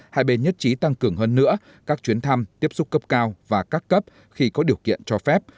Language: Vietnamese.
hai bên nhất trí tăng cường hơn nữa các chuyến thăm tiếp xúc cấp cao và các cấp khi có điều kiện cho phép